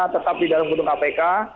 tetap di dalam gedung kpk